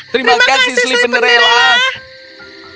terima kasih slipinderella